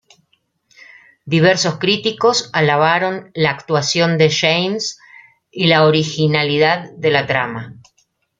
Diversos críticos alabaron la actuación de James y la originalidad de la trama.